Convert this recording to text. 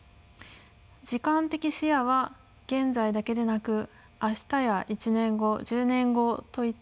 時間的視野は現在だけでなく明日や１年後１０年後といった